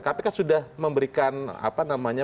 kpk sudah memberikan apa namanya